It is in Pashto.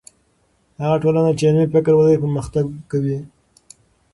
هغه ټولنه چې علمي فکر لري، پرمختګ کوي.